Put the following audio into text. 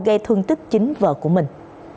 gây thương tích chính vợ của mình